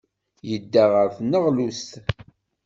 Yedda ɣer tneɣlust.